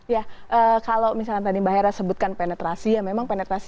ya kalau misalnya tadi mbak hera sebutkan penetrasi ya memang penetrasi